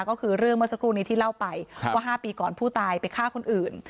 ก็คือเรื่องเมื่อสักครู่นี้ที่เล่าไปว่า๕ปีก่อนผู้ตายไปฆ่าคนอื่น